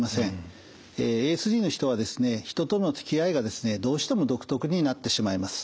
ＡＳＤの人はですね人とのつきあいがですねどうしても独特になってしまいます。